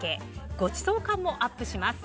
ごちそう感もアップします。